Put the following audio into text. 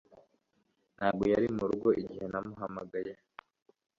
Ntabwo yari murugo igihe namuhamagaye